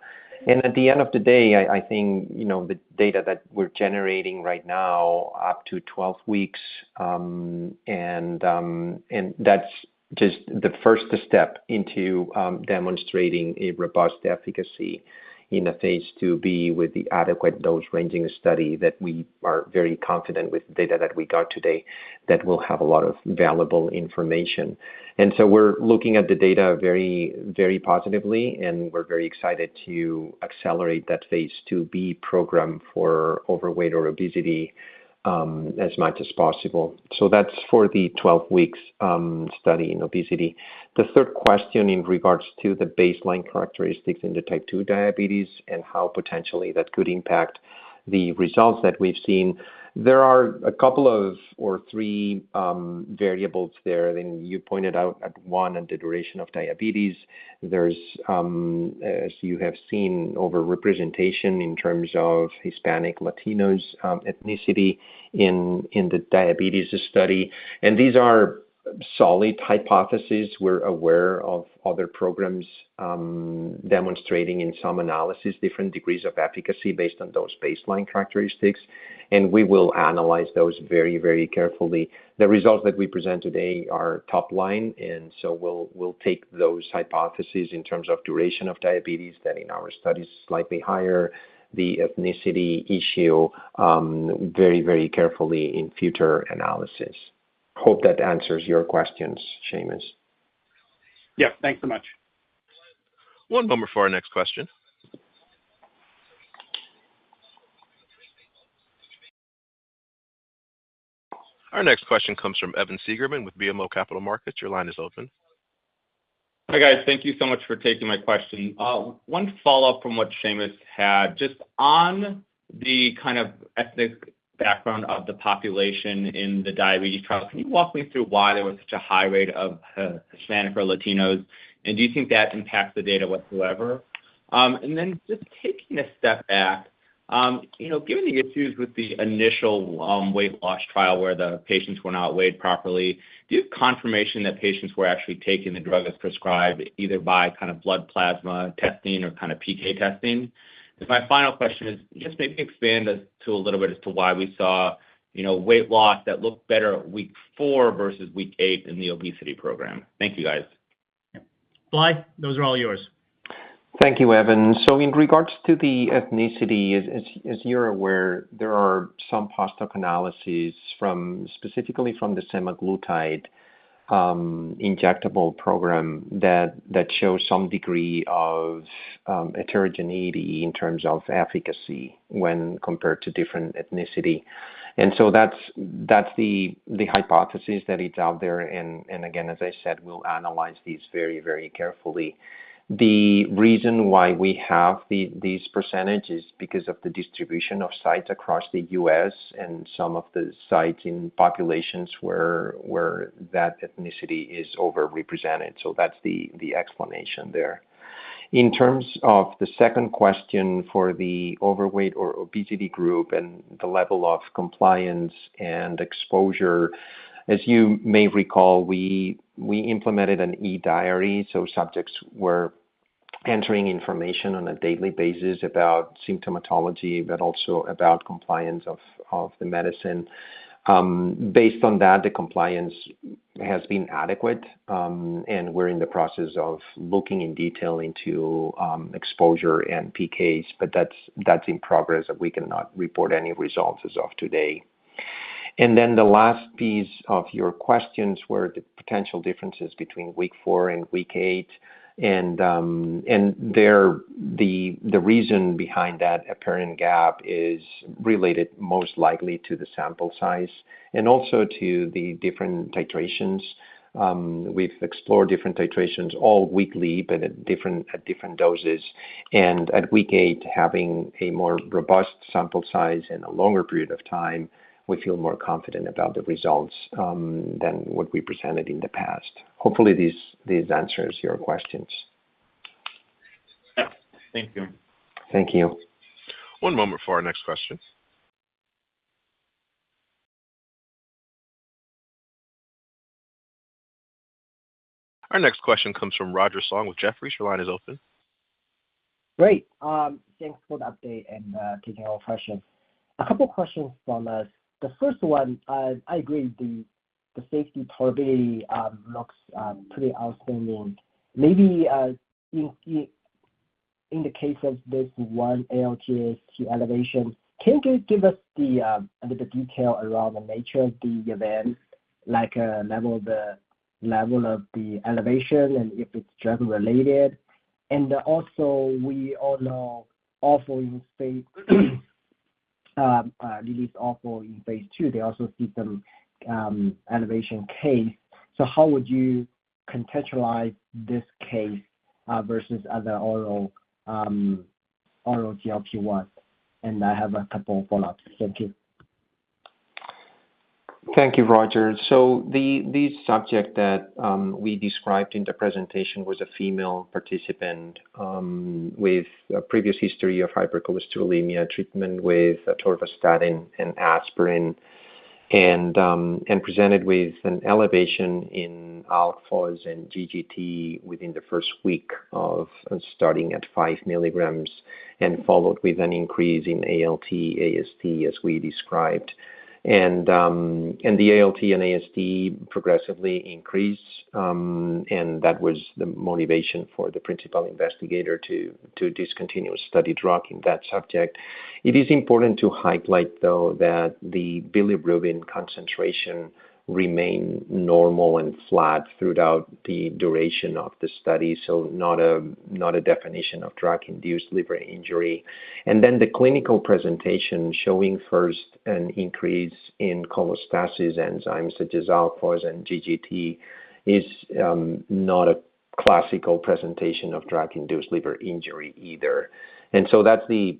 And at the end of the day, I, I think, you know, the data that we're generating right now, up to 12 weeks, and that's just the first step into demonstrating a robust efficacy in a phase IIb with the adequate dose ranging study that we are very confident with the data that we got today, that will have a lot of valuable information. And so we're looking at the data very, very positively, and we're very excited to accelerate that phase IIb program for overweight or obesity as much as possible. So that's for the 12 weeks study in obesity. The third question in regards to the baseline characteristics in the type 2 diabetes and how potentially that could impact the results that we've seen. There are a couple of or three variables there, and you pointed out one and the duration of diabetes. There's, as you have seen, overrepresentation in terms of Hispanic Latinos ethnicity in the diabetes study. And these are solid hypotheses. We're aware of other programs demonstrating in some analysis different degrees of efficacy based on those baseline characteristics, and we will analyze those very, very carefully. The results that we present today are top line, and so we'll take those hypotheses in terms of duration of diabetes, that in our study, slightly higher, the ethnicity issue, very, very carefully in future analysis. Hope that answers your questions, Seamus. Yeah, thanks so much. One moment for our next question. Our next question comes from Evan Seigerman with BMO Capital Markets. Your line is open. Hi, guys. Thank you so much for taking my question. One follow-up from what Seamus had, just on the kind of ethnic background of the population in the diabetes trial, can you walk me through why there was such a high rate of Hispanic or Latinos? And do you think that impacts the data whatsoever? And then just taking a step back, you know, given the issues with the initial weight loss trial, where the patients were not weighed properly, do you have confirmation that patients were actually taking the drug as prescribed, either by kind of blood plasma testing or kind of PK testing? And my final question is, just maybe expand us to a little bit as to why we saw, you know, weight loss that looked better at week 4 versus week 8 in the obesity program. Thank you, guys. Blai, those are all yours. Thank you, Evan. So in regards to the ethnicity, as, as you're aware, there are some positive analyses from, specifically from the semaglutide, injectable program, that, that shows some degree of, heterogeneity in terms of efficacy when compared to different ethnicity. And so that's, that's the, the hypothesis that it's out there, and, and again, as I said, we'll analyze these very, very carefully. The reason why we have the, these percentages is because of the distribution of sites across the U.S., and some of the sites in populations where, where that ethnicity is overrepresented. So that's the, the explanation there. In terms of the second question for the overweight or obesity group and the level of compliance and exposure, as you may recall, we, we implemented an eDiary, so subjects were entering information on a daily basis about symptomatology, but also about compliance of, of the medicine. Based on that, the compliance has been adequate, and we're in the process of looking in detail into exposure and PKs, but that's in progress, and we cannot report any results as of today. Then the last piece of your questions were the potential differences between week 4 and week 8, and the reason behind that apparent gap is related most likely to the sample size and also to the different titrations. We've explored different titrations, all weekly, but at different doses, and at week 8, having a more robust sample size and a longer period of time, we feel more confident about the results than what we presented in the past. Hopefully, these answers your questions. Thank you. Thank you. One moment for our next question. Our next question comes from Roger Song with Jefferies. Your line is open. Great. Thanks for the update and taking our questions. A couple questions from us. The first one, I agree, the safety probably looks pretty outstanding. Maybe in the case of this one, ALT/AST elevation, can you give us a little detail around the nature of the event, like level of the elevation and if it's drug-related? And also, we all know, also in released also in phase II, they also see some elevation case. So how would you contextualize this case versus other oral GLP-1? And I have a couple follow-ups. Thank you. Thank you, Roger. So the subject that we described in the presentation was a female participant with a previous history of hypercholesterolemia treatment with atorvastatin and aspirin, and presented with an elevation in ALPs and GGT within the first week of starting at 5 mg and followed with an increase in ALT/AST, as we described. And the ALT and AST progressively increased, and that was the motivation for the principal investigator to discontinue study drug in that subject. It is important to highlight, though, that the bilirubin concentration remained normal and flat throughout the duration of the study, so not a definition of drug-induced liver injury. And then the clinical presentation showing first an increase in cholestasis enzymes, such as ALPs and GGT, is not a classical presentation of drug-induced liver injury either. So that's the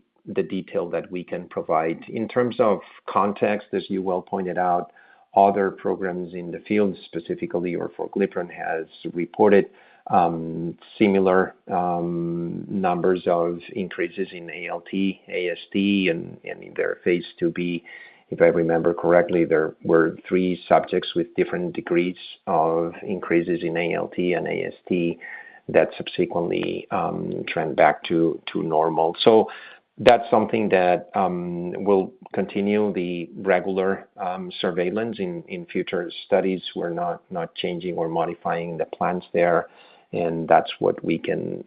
detail that we can provide. In terms of context, as you well pointed out, other programs in the field, specifically orforglipron, has reported similar numbers of increases in ALT, AST in their phase IIb. If I remember correctly, there were three subjects with different degrees of increases in ALT and AST that subsequently trend back to normal. That's something that we'll continue the regular surveillance in future studies. We're not changing or modifying the plans there, and that's what we can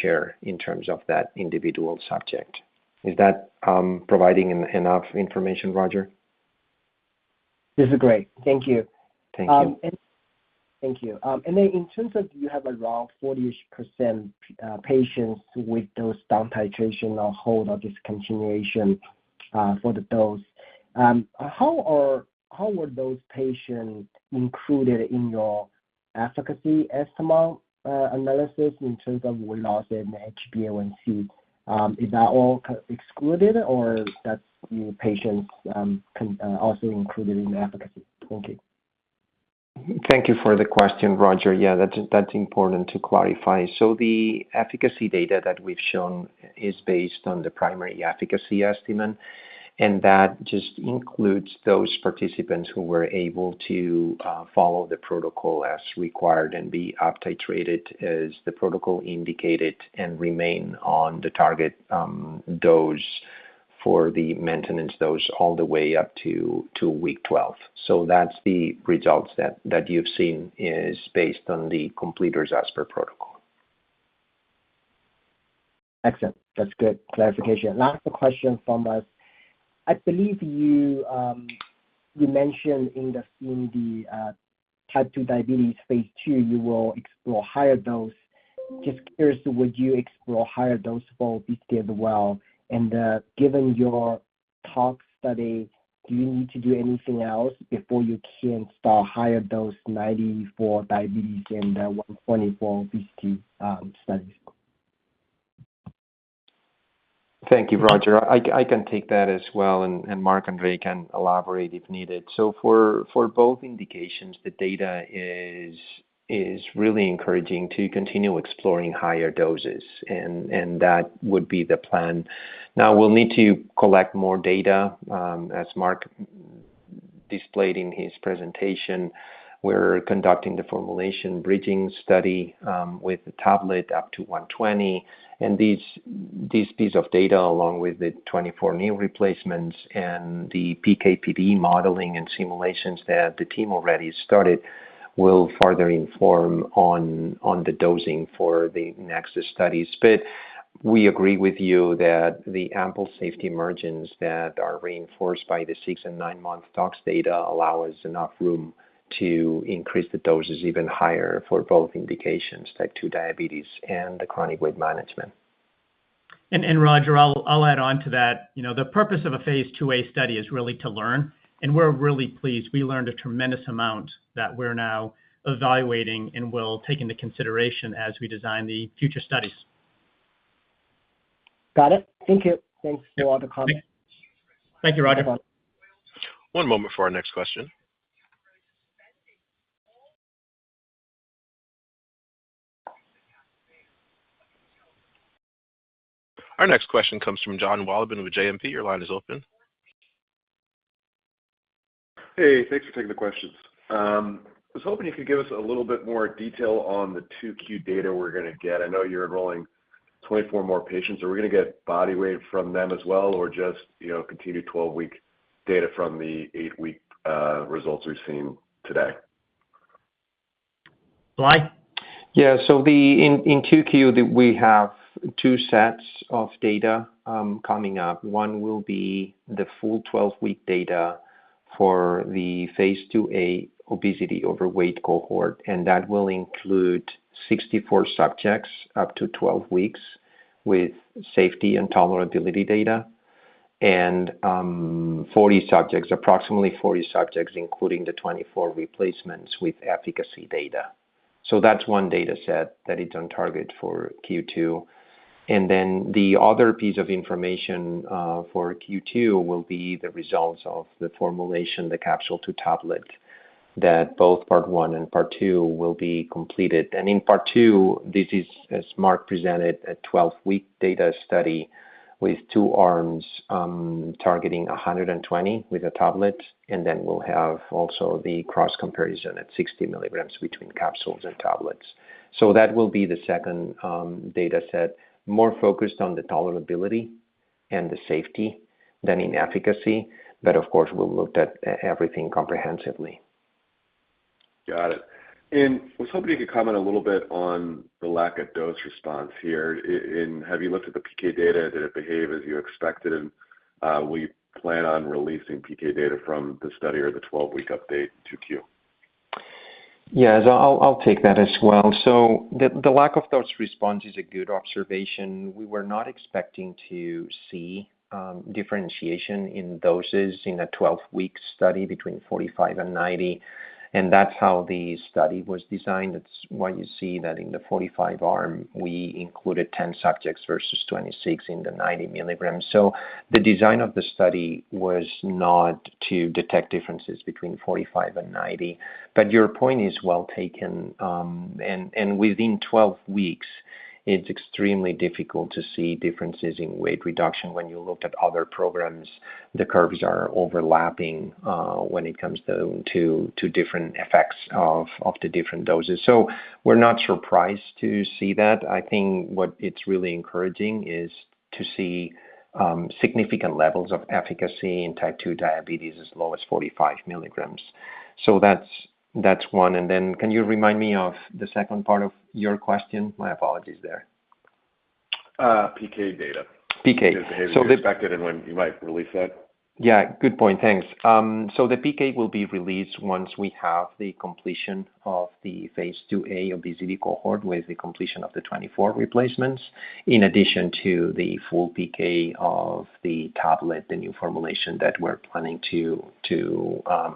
share in terms of that individual subject. Is that providing enough information, Roger? This is great. Thank you. Thank you. Thank you. Then, in terms of you have around 40% patients with those down titration or hold or discontinuation for the dose, how were those patients included in your efficacy estimate analysis in terms of weight loss and HbA1c? Is that all kind of excluded, or that's your patients can also included in the efficacy? Thank you. Thank you for the question, Roger. Yeah, that's, that's important to clarify. So the efficacy data that we've shown is based on the primary efficacy estimate, and that just includes those participants who were able to follow the protocol as required and be up titrated as the protocol indicated, and remain on the target dose for the maintenance dose all the way up to week 12. So that's the results that you've seen is based on the completers as per protocol. Excellent. That's good clarification. Last question from us. I believe you mentioned in the type 2 diabetes phase II, you will explore higher dose. Just curious, would you explore higher dose for obesity as well? And, given your tox study, do you need to do anything else before you can start higher dose 90 for diabetes and 120 for obesity studies? Thank you, Roger. I can take that as well, and Mark and Ray can elaborate if needed. So for both indications, the data is really encouraging to continue exploring higher doses, and that would be the plan. Now, we'll need to collect more data, as Mark displayed in his presentation. We're conducting the formulation bridging study with the tablet up to 120, and these piece of data, along with the 24 new replacements and the PK/PD modeling and simulations that the team already started, will further inform on the dosing for the next studies. But we agree with you that the ample safety margins that are reinforced by the 6- and 9-month tox data allow us enough room to increase the doses even higher for both indications, type two diabetes and the chronic weight management. And, Roger, I'll add on to that. You know, the purpose of a phase IIa study is really to learn, and we're really pleased. We learned a tremendous amount that we're now evaluating and will take into consideration as we design the future studies. Got it. Thank you. Thanks for all the comments. Thank you, Roger. One moment for our next question. Our next question comes from Jon Wolleben with JMP. Your line is open. Hey, thanks for taking the questions. I was hoping you could give us a little bit more detail on the 2Q data we're going to get. I know you're enrolling 24 more patients. Are we going to get body weight from them as well, or just, you know, continued 12-week data from the 8-week results we've seen today? Yeah, so in Q2, we have two sets of data coming up. One will be the full 12-week data for the phase IIa obesity/overweight cohort, and that will include 64 subjects up to 12 weeks with safety and tolerability data, and 40 subjects, approximately 40 subjects, including the 24 replacements with efficacy data. So that's one data set that is on target for Q2. And then the other piece of information for Q2 will be the results of the formulation, the capsule to tablet, that both part one and part two will be completed. And in part two, this is, as Mark presented, a 12-week data study with two arms targeting 120 with a tablet, and then we'll have also the cross comparison at 60 mg between capsules and tablets. So that will be the second data set, more focused on the tolerability and the safety than in efficacy, but of course, we'll look at everything comprehensively. Got it. And I was hoping you could comment a little bit on the lack of dose response here. And have you looked at the PK data? Did it behave as you expected? And, will you plan on releasing PK data from the study or the 12-week update to 2Q? Yes, I'll, I'll take that as well. So the lack of dose response is a good observation. We were not expecting to see differentiation in doses in a 12-week study between 45 and 90, and that's how the study was designed. That's why you see that in the 45 arm, we included 10 subjects versus 26 in the 90 mg. So the design of the study was not to detect differences between 45 and 90, but your point is well taken. And within 12 weeks, it's extremely difficult to see differences in weight reduction. When you looked at other programs, the curves are overlapping when it comes to different effects of the different doses. So we're not surprised to see that. I think what it's really encouraging is to see, significant levels of efficacy in type two diabetes as low as 45 mg. So that's, that's one, and then can you remind me of the second part of your question? My apologies there. PK data. PK. Did it behave as you expected, and when you might release that? Yeah, good point. Thanks. So the PK will be released once we have the completion of the phase IIa obesity cohort, with the completion of the 24 replacements, in addition to the full PK of the tablet, the new formulation that we're planning to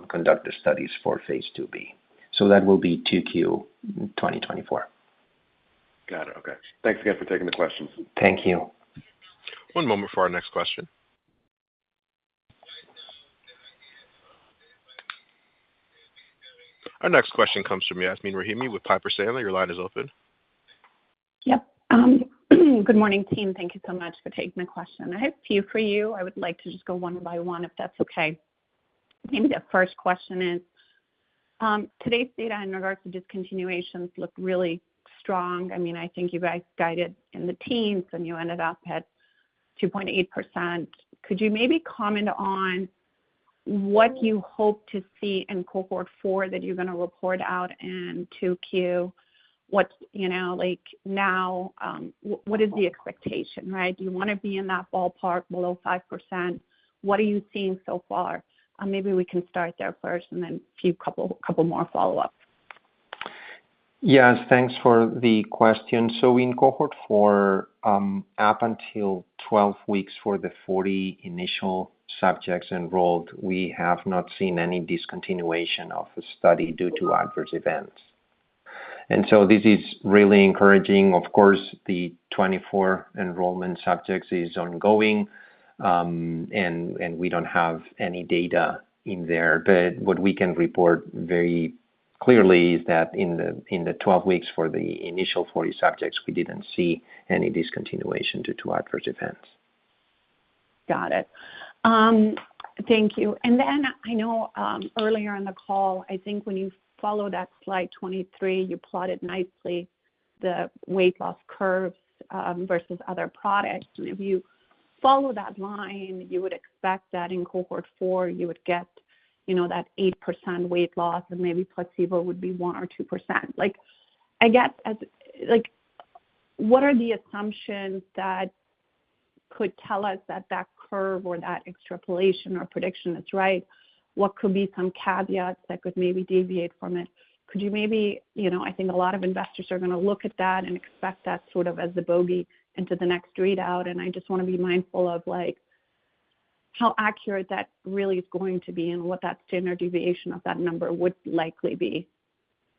conduct the studies for phase IIb. So that will be 2Q 2024. Got it. Okay. Thanks again for taking the questions. Thank you. One moment for our next question. Our next question comes from Yasmeen Rahimi with Piper Sandler. Your line is open. Yep. Good morning, team. Thank you so much for taking the question. I have a few for you. I would like to just go one by one, if that's okay. Maybe the first question is, today's data in regards to discontinuations look really strong. I mean, I think you guys guided in the teens, and you ended up at 2.8%. Could you maybe comment on what you hope to see in cohort four, that you're going to report out in 2Q? What's, you know, like, now, what is the expectation, right? Do you want to be in that ballpark below 5%? What are you seeing so far? Maybe we can start there first and then a few more follow-ups. Yes, thanks for the question. So in cohort 4, up until 12 weeks for the 40 initial subjects enrolled, we have not seen any discontinuation of the study due to adverse events. And so this is really encouraging. Of course, the 24 enrollment subjects is ongoing, and we don't have any data in there, but what we can report very clearly is that in the 12 weeks for the initial 40 subjects, we didn't see any discontinuation due to adverse events. Got it. Thank you. And then I know, earlier in the call, I think when you followed that slide 23, you plotted nicely the weight loss curves, versus other products. And if you follow that line, you would expect that in cohort four, you would get, you know, that 8% weight loss, and maybe placebo would be 1% or 2%. Like, I guess, as like—what are the assumptions that could tell us that that curve or that extrapolation or prediction is right? What could be some caveats that could maybe deviate from it? Could you maybe, you know, I think a lot of investors are going to look at that and expect that sort of as the bogey into the next read out, and I just want to be mindful of, like, how accurate that really is going to be and what that standard deviation of that number would likely be?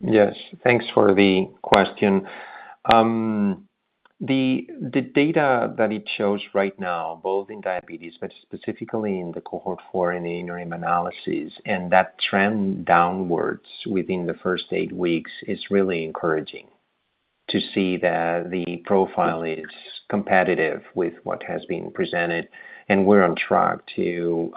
Yes, thanks for the question. The data that it shows right now, both in diabetes, but specifically in the cohort four in the interim analysis, and that trend downwards within the first 8 weeks is really encouraging to see that the profile is competitive with what has been presented. And we're on track to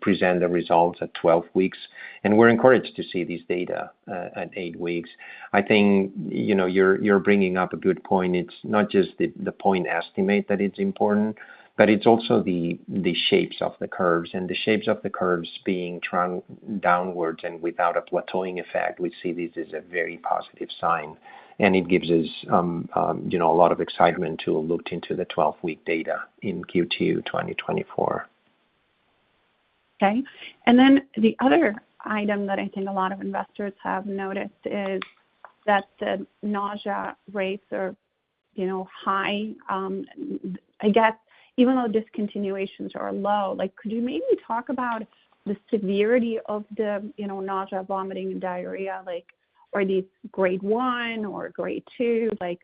present the results at 12 weeks, and we're encouraged to see these data at 8 weeks. I think, you know, you're bringing up a good point. It's not just the point estimate that it's important, but it's also the shapes of the curves, and the shapes of the curves being trend downwards and without a plateauing effect, we see this as a very positive sign. And it gives us, you know, a lot of excitement to look into the 12-week data in Q2 2024. Okay. And then the other item that I think a lot of investors have noticed is that the nausea rates are, you know, high. I guess even though discontinuations are low, like, could you maybe talk about the severity of the, you know, nausea, vomiting, and diarrhea? Like, are these grade one or grade two? Like,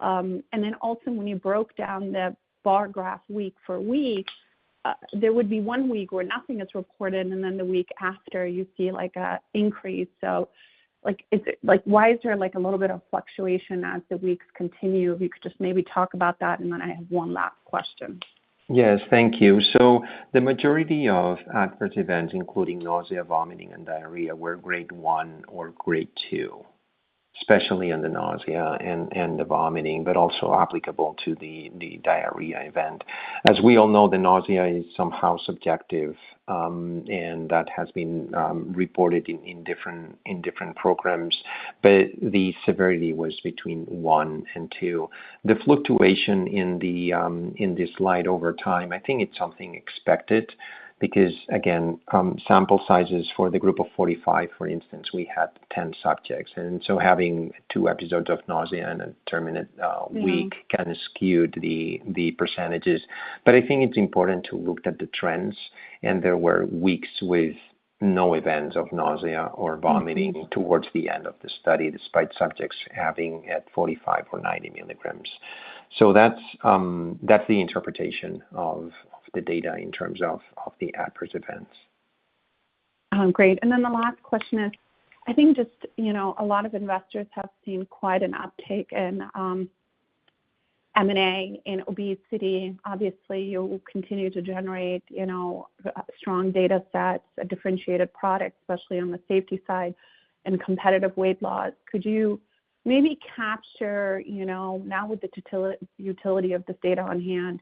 and then also when you broke down the bar graph week for week, there would be one week where nothing is recorded, and then the week after you see, like, a increase. So like, is it like, why is there, like, a little bit of fluctuation as the weeks continue? If you could just maybe talk about that, and then I have one last question. Yes, thank you. So the majority of adverse events, including nausea, vomiting, and diarrhea, were grade 1 or grade 2, especially in the nausea and the vomiting, but also applicable to the diarrhea event. As we all know, the nausea is somehow subjective, and that has been reported in different programs, but the severity was between 1 and 2. The fluctuation in the slide over time, I think it's something expected. Because again, sample sizes for the group of 45, for instance, we had 10 subjects, and so having 2 episodes of nausea in a determined week kind of skewed the percentages. But I think it's important to look at the trends, and there were weeks with no events of nausea or vomiting towards the end of the study, despite subjects having at 45 or 90 mg. So that's the interpretation of the data in terms of the adverse events. Great. And then the last question is, I think just, you know, a lot of investors have seen quite an uptake in M&A in obesity. Obviously, you will continue to generate, you know, strong data sets, a differentiated product, especially on the safety side and competitive weight loss. Could you maybe capture, you know, now with the utility of this data on hand,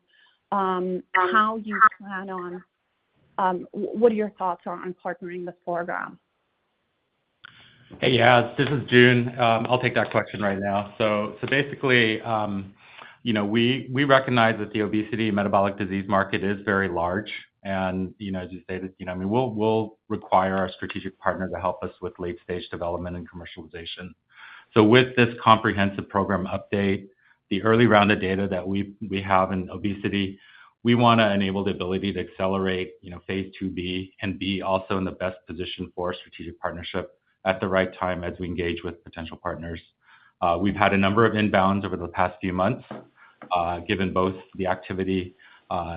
how you plan on... What are your thoughts on partnering this program? Hey, yeah, this is Jun. I'll take that question right now. So basically, you know, we recognize that the obesity and metabolic disease market is very large and, you know, as you stated, you know, we'll require our strategic partner to help us with late-stage development and commercialization. So with this comprehensive program update, the early round of data that we have in obesity, we want to enable the ability to accelerate, you know, phase IIb and be also in the best position for a strategic partnership at the right time as we engage with potential partners. We've had a number of inbounds over the past few months, given both the activity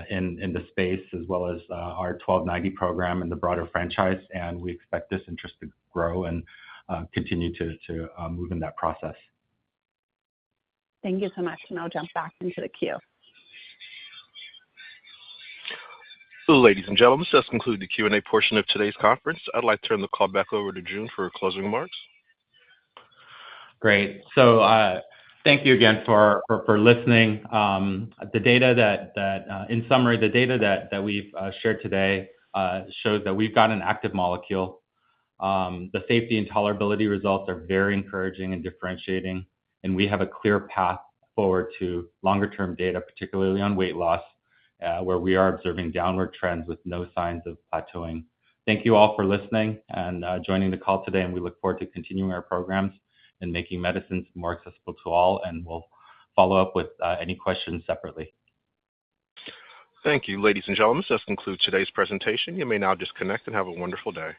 in the space as well as our GSBR-1290 program and the broader franchise, and we expect this interest to grow and continue to move in that process. Thank you so much, and I'll jump back into the queue. So ladies and gentlemen, this concludes the Q&A portion of today's conference. I'd like to turn the call back over to Jun for closing remarks. Great. So, thank you again for listening. In summary, the data that we've shared today shows that we've got an active molecule. The safety and tolerability results are very encouraging and differentiating, and we have a clear path forward to longer-term data, particularly on weight loss, where we are observing downward trends with no signs of plateauing. Thank you all for listening and joining the call today, and we look forward to continuing our programs and making medicines more accessible to all, and we'll follow up with any questions separately. Thank you, ladies and gentlemen. This concludes today's presentation. You may now disconnect and have a wonderful day.